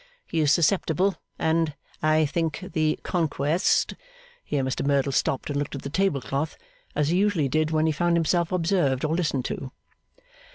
He is susceptible, and I think the conquest ' Here Mr Merdle stopped, and looked at the table cloth, as he usually did when he found himself observed or listened to.